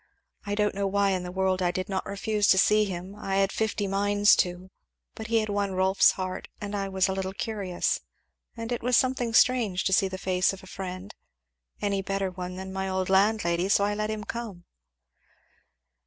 I don't know why in the world I did not refuse to see him I had fifty minds to but he had won Rolf's heart, and I was a little curious, and it was something strange to see the face of a friend, any better one than my old landlady, so I let him come."